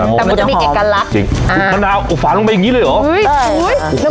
แต่มันจะมีเอกลักษณ์จริงมะนาวอบฝาลงไปอย่างนี้เลยเหรอ